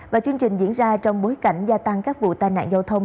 và chương trình diễn ra trong bối cảnh gia tăng các vụ tai nạn giao thông